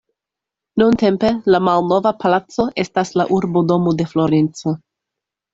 Nuntempe la "Malnova Palaco" estas la urbodomo de Florenco.